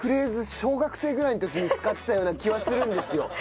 小学生ぐらいの時に使ってたような気はするんですよ。